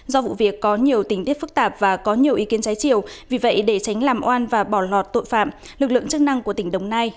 do vụ việc có nhiều tình tiết phức tạp và có nhiều ý kiến trái chiều vì vậy để tránh làm oan và bỏ lọt tội phạm lực lượng chức năng của tỉnh đồng nai